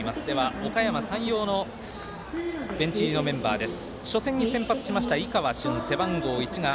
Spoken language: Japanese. おかやま山陽のベンチ入りメンバーです。